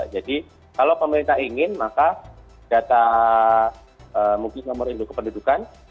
jadi kalau pemerintah ingin maka data mungkin nomor itu kependudukan